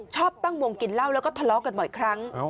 ชอบตั้งวงกินเหล้าแล้วก็ทะเลาะกันบ่อยครั้ง